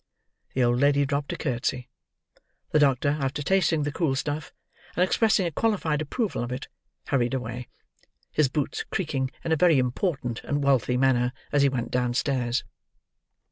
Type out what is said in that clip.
The old lady dropped a curtsey. The doctor, after tasting the cool stuff, and expressing a qualified approval of it, hurried away: his boots creaking in a very important and wealthy manner as he went downstairs.